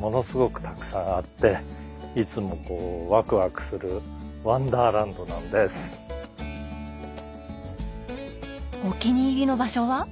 ものすごくたくさんあっていつもワクワクするお気に入りの場所は？